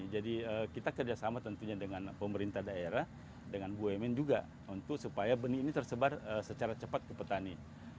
jadi kita kerjasama tentunya dengan pemerintah daerah dengan goyemen juga untuk supaya benih ini tersebar secara cepat ke petani